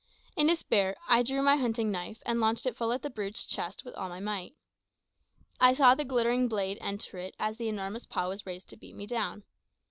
In despair, I drew my hunting knife and launched it full at the brute's chest with all my might. I saw the glittering blade enter it as the enormous paw was raised to beat me down.